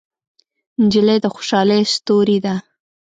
نجلۍ د خوشحالۍ ستورې ده.